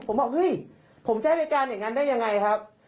ผมบอกเฮ้ยผมใช้เหตุการณ์อย่างนั้นได้ยังไงครับ